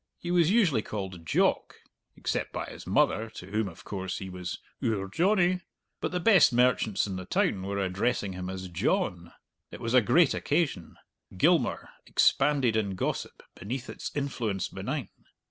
He was usually called "Jock" (except by his mother, to whom, of course, he was "oor Johnny"), but the best merchants in the town were addressing him as "John." It was a great occasion. Gilmour expanded in gossip beneath its influence benign.